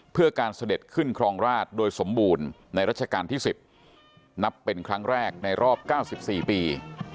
เพื่อการเสด็จขึ้นครองราชโดยสมบูรณ์ในรัชกาลที่๑๐นับเป็นครั้งแรกในรอบ๙๔ปี